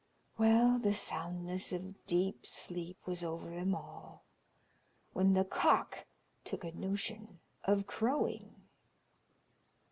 Well, the soundness of deep sleep was over them all, when the cock took a notion of crowing.